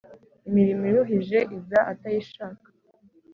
imirimo iruhije iza atayishaka,